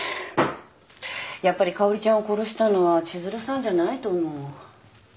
やっぱりかおりちゃんを殺したのは千鶴さんじゃないと思う。